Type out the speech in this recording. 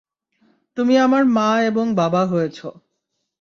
তুমি আমার মা এবং বাবা হয়েছ।